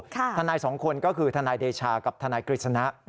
ทนายสองคนก็คือทนายเดชากับทนายกฤษณะ